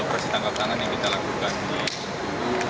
operasi tangkap tangan yang kita lakukan di gubernur bengkulu